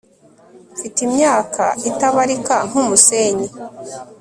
mfite imyaka itabarika nk'umusenyi